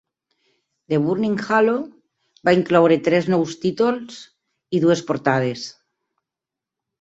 "The Burning Halo" va incloure tres nous títols i dues portades.